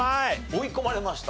追い込まれました。